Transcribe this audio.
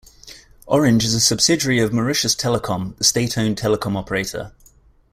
Orange is a subsidiary of Mauritius Telecom, the state-owned telecom operator.